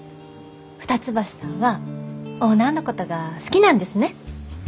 二ツ橋さんはオーナーのことが好きなんですね？